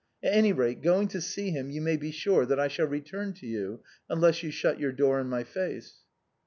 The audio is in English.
At any rate, going to see him you may be sure that I shall return to you .. unless you shut your door in my face."